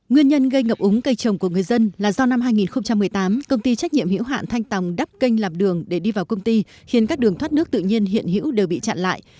nguyên nhân gây ngập úng cây trồng của người dân là do năm hai nghìn một mươi tám công ty trách nhiệm hiểu hạn thanh tòng đắp kênh làm đường để đi vào công ty khiến các đường thoát nước tự nhiên hiện hữu đều bị chặn lại